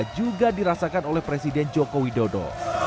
juga dirasakan oleh presiden joko widodo